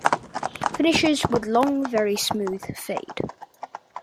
Finishes with long, very smooth fade.